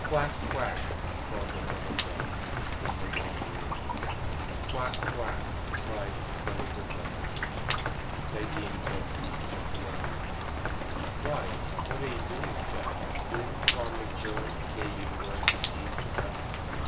'Quack! quack!' called the mother duck, missing the wanderer. 'Quack! quack!' cried the little duck. Peggy and Bessy looked round. 'Why, what are you doing, Jack? Didn't Farmer Jones say you weren't to tease the ducks?